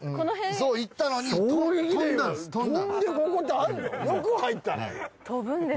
そういったのに飛んだんです。